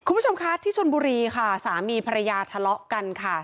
คุณผู้ชมคะที่ชนบุรีค่ะสามีภรรยาทะเลาะกันค่ะ